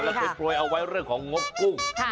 แล้วเผ็ดปลวยเอาไว้เรื่องของงกกุ้ง